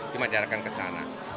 cuma diarahkan ke sana